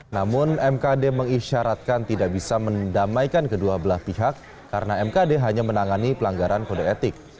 namun mkd mengisyaratkan tidak bisa mendamaikan kedua belah pihak karena mkd hanya menangani pelanggaran kode etik